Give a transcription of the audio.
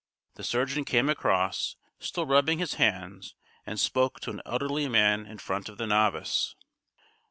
The surgeon came across, still rubbing his hands, and spoke to an elderly man in front of the novice.